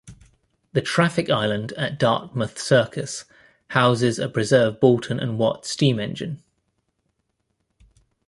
The traffic island at Dartmouth Circus houses a preserved Boulton and Watt steam engine.